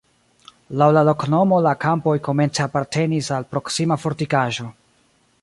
Laŭ la loknomo la kampoj komence apartenis al proksima fortikaĵo.